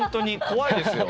怖いですよ